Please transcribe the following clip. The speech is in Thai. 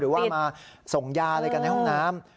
ว่ามาส่งยาอะไรกันในห้องน้ำ